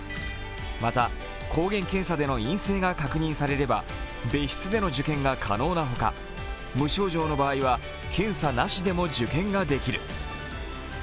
また、抗原検査での陰性が確認されれば別室での受験が可能なほか無症状の場合は検査なしでも受験ができる。